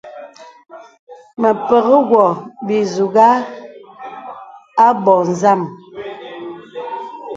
Mə pəkŋì wɔ bìzùghā abɔ̄ɔ̄ zàm.